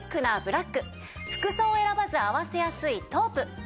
服装を選ばず合わせやすいトープ。